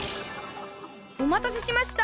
おまたせしました。